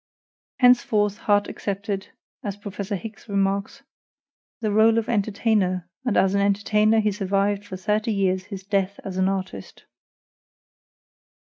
Henceforth Harte accepted, as Prof. Hicks remarks, "the role of entertainer, and as an entertainer he survived for thirty years his death as an artist."